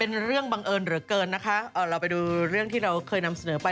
เรื่องบังเอิญเหลือเกินนะคะเราไปดูเรื่องที่เราเคยนำเสนอไป